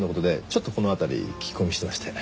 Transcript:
ちょっとこの辺り聞き込みしてまして。